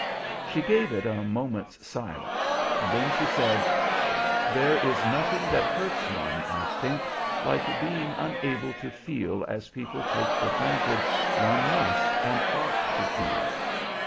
She gave it a moment's silence, then she said, "There is nothing that hurts one, I think, like being unable to feel as people take for granted one must and ought to feel."